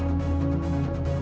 aku mau ke rumah